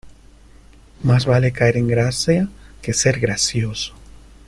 Más vale caer en gracia que ser gracioso.